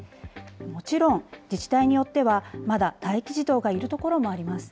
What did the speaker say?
もちろん自治体によっては、まだ待機児童がいるところもあります。